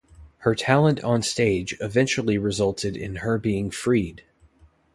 Her talent on stage eventually resulted in her being freed.